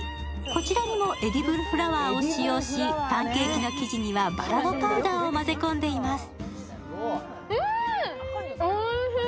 こちらにもエディブルフラワーを使用しパンケーキの生地にはばらのパウダーを混ぜ込んでいます。